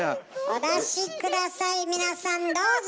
お出し下さい皆さんどうぞ！